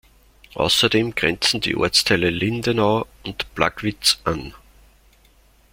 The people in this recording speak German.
Außerdem grenzen die Ortsteile Lindenau und Plagwitz an.